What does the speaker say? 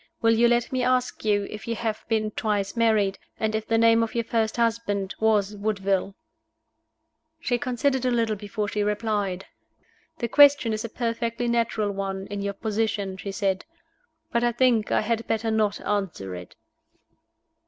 Will you let me ask you if you have been twice married, and if the name of your first husband was Woodville?" She considered a little before she replied. "The question is a perfectly natural one in your position," she said. "But I think I had better not answer it."